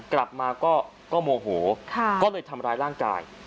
กลับมาก็โมโหก็เลยทำร้ายร่างกาย